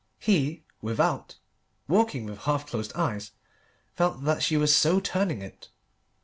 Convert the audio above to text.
He, without, walking with half closed eyes, felt that she was so turning it.